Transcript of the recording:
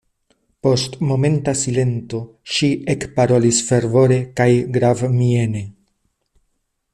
Post momenta silento ŝi ekparolis fervore kaj gravmiene: